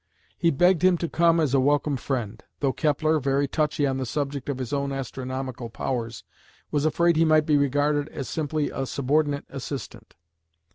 He begged him to come "as a welcome friend," though Kepler, very touchy on the subject of his own astronomical powers, was afraid he might be regarded as simply a subordinate assistant.